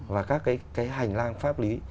và các cái hành lang pháp lý